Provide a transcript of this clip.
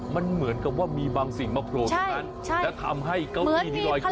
มันเหมือนกับว่ามีบางสิ่งมาโผล่ตรงนั้นแล้วทำให้เก้าอี้นี่ลอยขึ้น